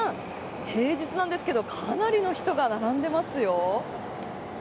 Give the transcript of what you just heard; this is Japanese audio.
平日なんですけどかなりの人が並んでいますよ。